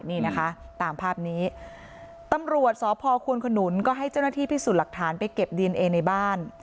นี่นะคะตามภาพนี้ตำรวจสพควนขนุนก็ให้เจ้าหน้าที่พิสูจน์หลักฐานไปเก็บดีเอนเอในบ้าน